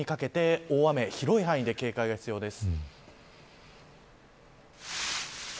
連休、土曜日にかけて大雨、広い範囲で警戒が必要です。